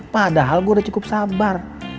padahal gue udah cukup sabar